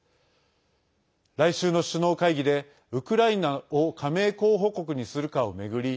来週の首脳会議でウクライナを加盟候補国にするかを巡り